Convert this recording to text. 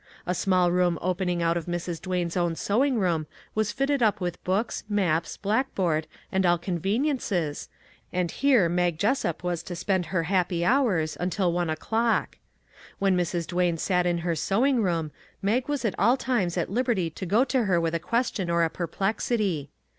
A small room opening out of Mrs. Duane's own sewing room was fitted up with books, maps, black board and all conveniences, and here Mag Jessup was to spend her happy hours until one o'clock. When Mrs. Duane sat in her sewing 34 A NEW HOME room, Mag was at all times at liberty to go to her with a question or a perplexity.